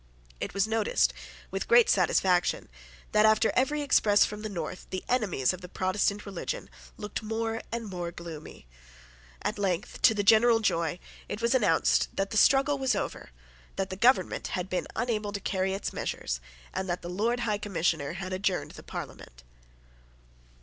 It was noticed, with great satisfaction, that, after every express from the North, the enemies of the Protestant religion looked more and more gloomy. At length, to the general joy, it was announced that the struggle was over, that the government had been unable to carry its measures, and that the Lord High Commissioner had adjourned the Parliament.